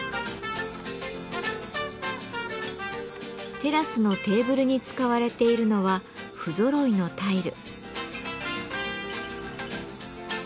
テラスのテーブルに使われているのは不ぞろいのタイル。